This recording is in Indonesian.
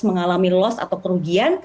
mengalami loss atau kerugian